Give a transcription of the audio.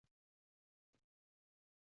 同年改宣大总督。